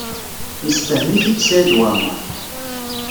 Yessefhem-it-id Saɛid Waɛmaṛ.